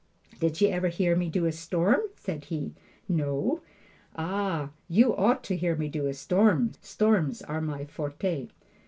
"Did you ever hear me do a storm?" said he. "No." "Ah, you ought to hear me do a storm! Storms are my forte!"